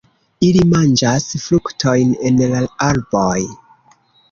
Ili manĝas fruktojn en la arboj.